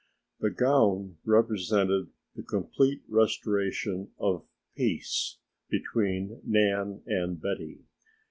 The gown represented the complete restoration of peace between Nan and Betty.